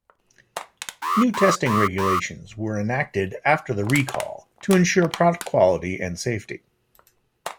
New testing regulations were enacted after the recall to ensure product quality and safety.